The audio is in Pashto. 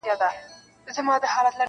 • د خیال نیلی دي د جنون له بیابانه نه ځي -